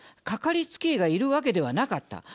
かかりつけ医がいるわけではなかった。